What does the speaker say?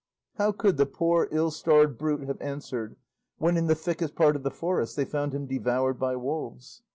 How could the poor ill starred brute have answered, when, in the thickest part of the forest, they found him devoured by wolves?